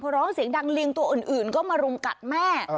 พอร้องเสียงดังลิงตัวอื่นก็มารุมกัดแม่